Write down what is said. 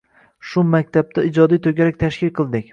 Shu maktabda ijodiy toʻgarak tashkil qildik.